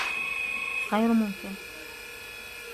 غير ممكن!